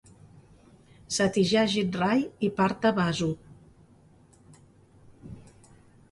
Satyajit Ray i Partha Basu.